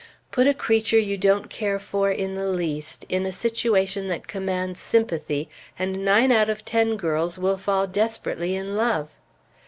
Put a creature you don't care for in the least, in a situation that commands sympathy, and nine out of ten girls will fall desperately in love.